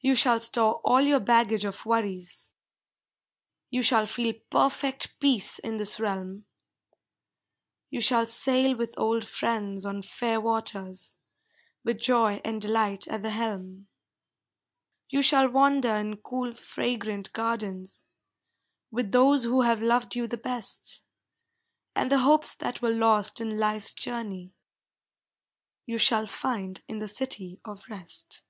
You shall store all your baggage of worries, You shall feel perfect peace in this realm, You shall sail with old friends on fair waters, With joy and delight at the helm. You shall wander in cool, fragrant gardens With those who have loved you the best, And the hopes that were lost in life's journey You shall find in the City of Rest.